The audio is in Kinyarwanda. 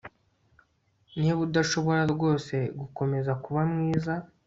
niba udashobora rwose gukomeza kuba mwiza